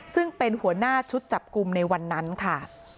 ซึ่งเป็นหัวหน้าชุดจับกลุ่มในวันนั้นค่ะ